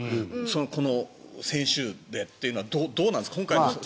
この選手でというのはどうなんですか？